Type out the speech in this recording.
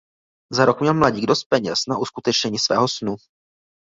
Za rok měl mladík dost peněz na uskutečnění svého snu.